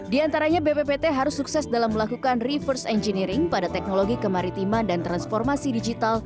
di antaranya bppt harus sukses dalam melakukan reverse engineering pada teknologi kemaritiman dan transformasi digital